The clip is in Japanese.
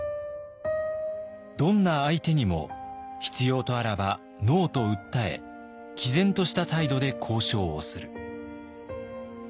どんな相手にも必要とあらば「ＮＯ」と訴え毅然とした態度で交渉をする。